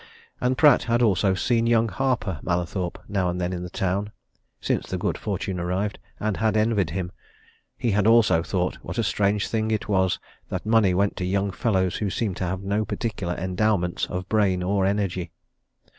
And Pratt had also seen young Harper Mallathorpe now and then in the town since the good fortune arrived and had envied him: he had also thought what a strange thing it was that money went to young fellows who seemed to have no particular endowments of brain or energy.